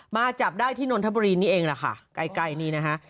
มาจับได้ที่นนทบุรีนี่เองแหละค่ะใกล้นี่นะฮะ